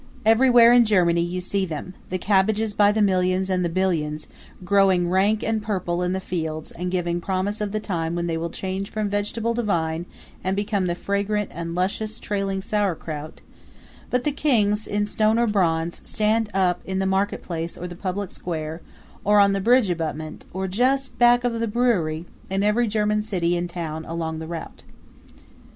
Everywhere in Germany you see them the cabbages by the millions and the billions, growing rank and purple in the fields and giving promise of the time when they will change from vegetable to vine and become the fragrant and luscious trailing sauerkraut; but the kings, in stone or bronze, stand up in the marketplace or the public square, or on the bridge abutment, or just back of the brewery, in every German city and town along the route.